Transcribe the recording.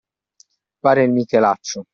Fare il michelaccio.